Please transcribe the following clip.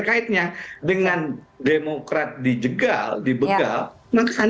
hanya seperti terbuka